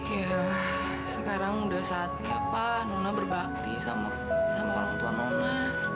iya sekarang udah saatnya pak nona berbakti sama orang tua nona